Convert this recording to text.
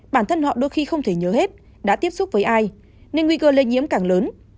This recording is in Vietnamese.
bản thân họ đôi khi không thể nhớ hết đã tiếp xúc với ai nên nguy cơ lây nhiễm càng lớn